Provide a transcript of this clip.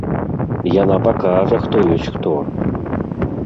Яна пакажа, хто ёсць хто!